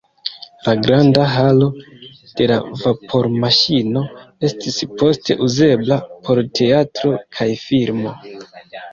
La granda halo de la vapormaŝino estis poste uzebla por teatro kaj filmo.